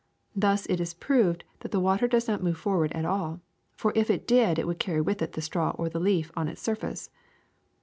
Thus it is proved that the water does not move forward at all, for if it did it would carry with it the straw or leaf on its surface.